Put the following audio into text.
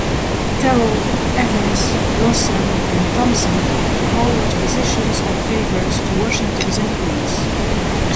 Terrell, Evans, Lawson, and Thompson all owed positions or favors to Washington's influence.